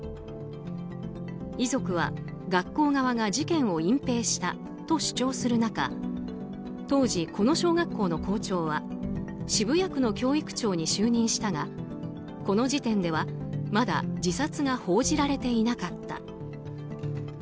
遺族は、学校側が事件を隠ぺいしたと主張する中当時、この小学校の校長は渋谷区の教育長に就任したがこの時点では、まだ自殺が報じられていなかった。